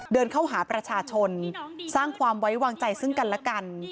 เดินเข้าหาประชาชนสร้างความไว้วางใจซึ่งกันและกัน